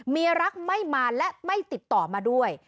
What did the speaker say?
เมียรักไม่มาและไม่ติดต่อมาด้วย